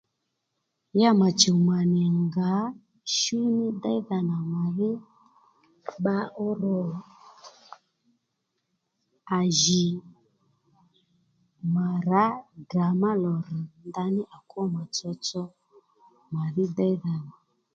Ya mà chùw mà nì ngǎ shú ní déydha nà mà dhí bba ó ro à jì mà rǎ Ddrà má lò ddì ndaní à kwó mà tsotso mà dhí déydha nà